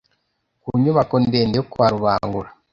ku nyubako ndende yo kwa Rubangura